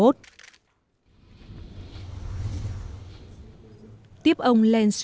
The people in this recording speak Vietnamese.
tiếp ông lance